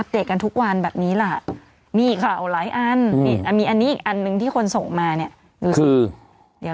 เตะกันทุกวันแบบนี้ล่ะมีข่าวหลายอันมีอันนี้อีกอันหนึ่งที่คนส่งมาเนี่ยคือเดี๋ยว